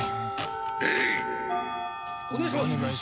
お願いします。